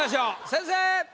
先生！